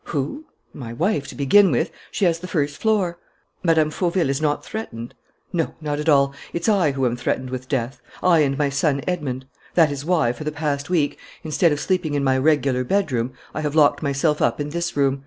"Who? My wife, to begin with. She has the first floor." "Mme. Fauville is not threatened?" "No, not at all. It's I who am threatened with death; I and my son Edmond. That is why, for the past week, instead of sleeping in my regular bedroom, I have locked myself up in this room.